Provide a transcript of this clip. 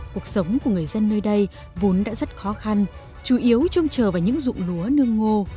cuộc sống của người dân nơi đây vốn đã rất khó khăn chủ yếu trông chờ vào những dụng lúa nương ngô